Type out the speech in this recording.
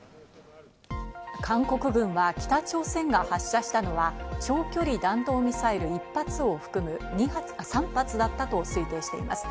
韓国軍は北朝鮮が発射したのは長距離弾道ミサイル１発を含む、３発だったと推定しています。